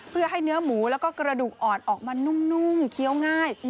เพื่อให้เนื้อหมูแล้วก็กระดูกอ่อนออกมานุ่มเคี้ยวง่าย